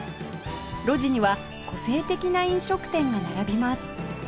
路地には個性的な飲食店が並びます